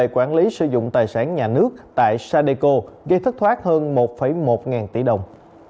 quản lý sử dụng tài sản nhà nước tại sadeco gây thất thoát hơn một một tỷ đồng